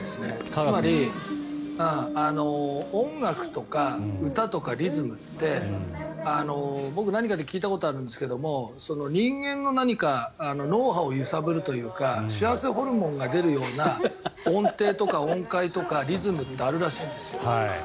つまり音楽とか歌とかリズムって僕、何かで聞いたことあるんですけど人間の何か脳波を揺さぶるというか幸せホルモンが出るような音程とか音階とかリズムってあるらしいんですよ。